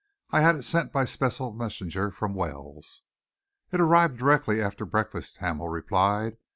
"I had it sent by special messenger from Wells." "It arrived directly after breakfast," Hamel replied.